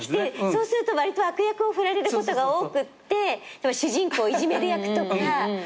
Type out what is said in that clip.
そうするとわりと悪役を振られることが多くって主人公をいじめる役とか。